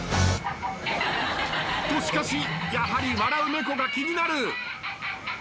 としかしやはり笑う猫が気になる。